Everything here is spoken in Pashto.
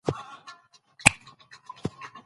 سپین سرې په خپل کڅوړنو سترګو کې د ویاړ نښې لرلې.